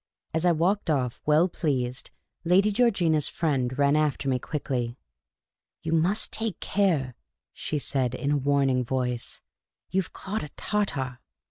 As I walked off, well pleased, Lady Georgina's friend ran after me quickly. " You must take care," she said, in a warning voice. " You 've caught a Tartar."